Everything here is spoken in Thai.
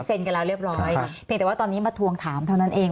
กันแล้วเรียบร้อยเพียงแต่ว่าตอนนี้มาทวงถามเท่านั้นเอง